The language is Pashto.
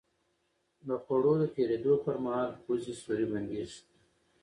د خوړو د تېرېدو په مهال پوزې سوری بندېږي.